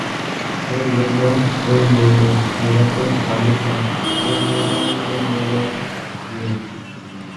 تیل لے لو ، تیل لے لو میرا تیل خالص ھے تیل لے لو تیل لے لو یہ آ